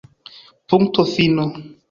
Punkto fino!